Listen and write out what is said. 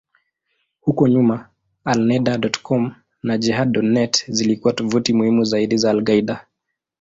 Huko nyuma, Alneda.com na Jehad.net zilikuwa tovuti muhimu zaidi za al-Qaeda.